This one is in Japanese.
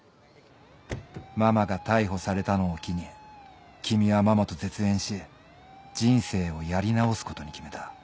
ママが逮捕されたのを機に君はママと絶縁し人生をやり直すことに決めた。